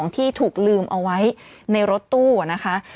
ที่ถูกลืมเอาไว้ในรถตู้นะคะ